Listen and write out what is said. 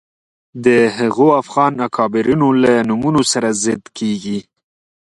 د هغو افغان اکابرینو له نومونو سره ضد کېږي